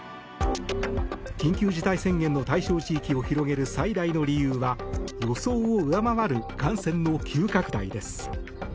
緊急事態宣言の対象地域を広げる最大の理由は予想を上回る感染の急拡大です。